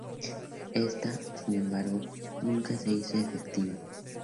Esta, sin embargo, nunca se hizo efectiva.